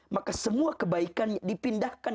maka semua kebaikan dipindahkan